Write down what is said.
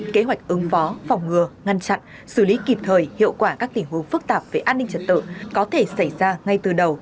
kế hoạch ứng phó phòng ngừa ngăn chặn xử lý kịp thời hiệu quả các tình huống phức tạp về an ninh trật tự có thể xảy ra ngay từ đầu